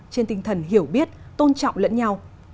trên tinh thần hiểu biết tôn trọng lẫn nhau